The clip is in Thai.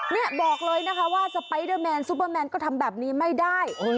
นี่บอกเลยนะคะว่าสไปเดอร์แมนซุปเปอร์แมนก็ทำแบบนี้ไม่ได้